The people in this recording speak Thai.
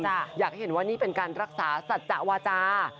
อยากให้เห็นว่านี่เป็นการรักษาสัจจะวาจา